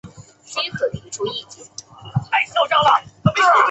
台湾版由联经出版发行。